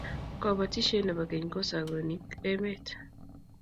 Kobotishe ne bo keny kosagonik emet.